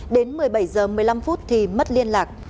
đến một mươi bảy h một mươi năm phút thì mất liên lạc